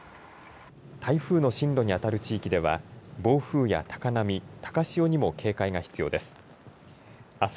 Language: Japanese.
台風の進路にあたる地域では暴風や高波、高潮にも警戒が必要です。